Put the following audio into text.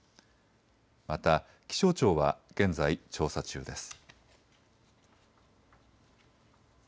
また気象庁は現在、調査中です。